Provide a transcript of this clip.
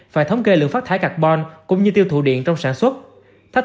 phải thống kê lượng phát thải carbon cũng như tiêu thụ điện trong sản xuất